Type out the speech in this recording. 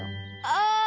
ああ！